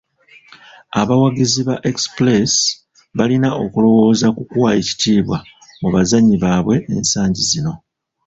Abawagizi ba Express balina okulowooza ku kuwa ekitiibwa mu bazannyi baabwe ensangi zino.